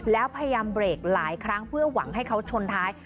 แล้วพยายามเบรกหลายครั้งเพื่อหวังให้เขาชนท้าย